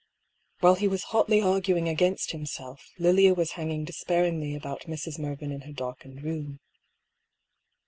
While he was hotly arguing against himself Lilia was hanging despairingly about Mrs. Mervyn in her dark ened room.